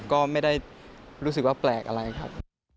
ก็ไม่ได้รู้สึกว่าแปลกอะไรครับ